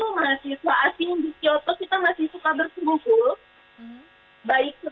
kalau dulu mahasiswa asing di kyoto kita masih suka berkumpul